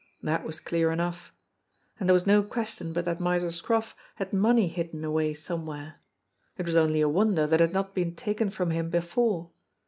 That was clear enough. And there was no question but that Miser Scroff had money hidden away somewhere. It was only a wonder that it had not been taken from him before.